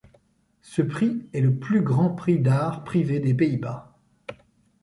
Ce prix est le plus grand prix d'art privé des Pays-Bas.